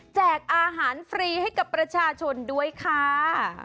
อาหารฟรีให้กับประชาชนด้วยค่ะ